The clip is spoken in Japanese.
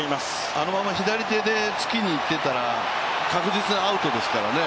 あのまま左手で突きにいってたら確実にアウトですからね。